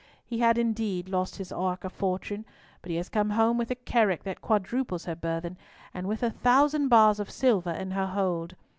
He had, indeed, lost his Ark of Fortune, but he has come home with a carrack that quadruples her burthen, and with a thousand bars of silver in her hold.